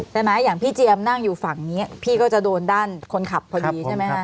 อย่างพี่เจียมนั่งอยู่ฝั่งนี้พี่ก็จะโดนด้านคนขับพอดีใช่ไหมฮะ